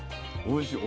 おいしい。